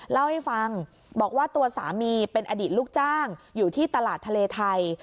เล่าให้ฟังบอกว่าตัวสามีเป็นอดีตลูกจ้างอยู่ที่ตลาดทะเลไทย